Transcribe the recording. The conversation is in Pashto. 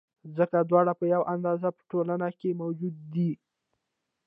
ځکه دواړه په یوه اندازه په ټولنه کې موجود دي.